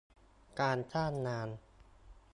การจ้างงาน